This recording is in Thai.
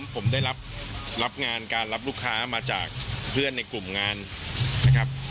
ผมได้รับงานการรับลูกค้ามาจากเพื่อนในกลุ่มงานนะครับ